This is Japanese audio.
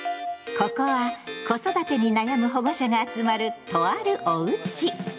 ここは子育てに悩む保護者が集まるとある「おうち」。